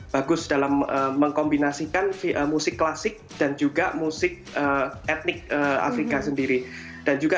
bagus dalam mengkombinasikan musik klasik dan juga musik etnik afrika sendiri dan juga